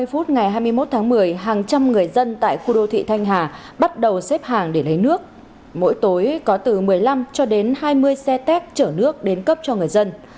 ba mươi phút ngày hai mươi một tháng một mươi hàng trăm người dân tại khu đô thị thanh hà bắt đầu xếp hàng để lấy nước mỗi tối có từ một mươi năm cho đến hai mươi xe tét chở nước đến cấp cho người dân